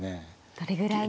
どれぐらいに。